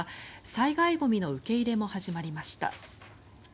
災害ゴミの受け入れも始まりました。